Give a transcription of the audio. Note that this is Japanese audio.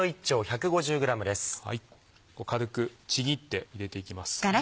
軽くちぎって入れていきます。